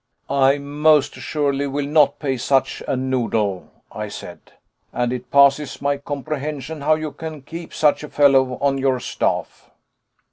"I most assuredly will not pay such a noodle," I said; "and it passes my comprehension how you can keep such a fellow on your staff."